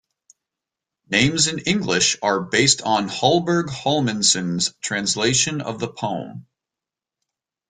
Names in English are based on Hallberg Hallmundsson's translation of the poem.